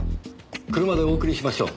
車でお送りしましょう。